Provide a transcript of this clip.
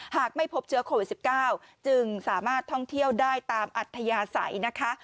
หากไม่พบเชื้อโควิด๑๙จึงสามารถท่องเที่ยวได้ตามอัธยาศัยนะคะ